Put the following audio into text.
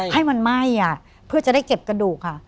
ให้มันไหม้เพื่อจะได้เก็บกระดูกค่ะ